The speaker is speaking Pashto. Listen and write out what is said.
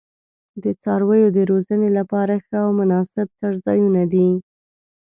د څارویو د روزنې لپاره ښه او مناسب څړځایونه دي.